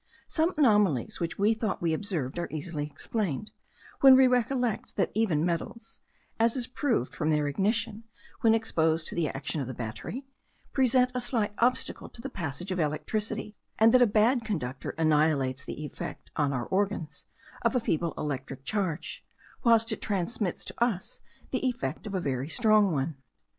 Some anomalies, which we thought we observed, are easily explained, when we recollect that even metals (as is proved from their ignition when exposed to the action of the battery) present a slight obstacle to the passage of electricity; and that a bad conductor annihilates the effect, on our organs, of a feeble electric charge, whilst it transmits to us the effect of a very strong one.